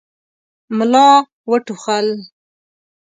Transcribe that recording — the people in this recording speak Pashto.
ملا وټوخل.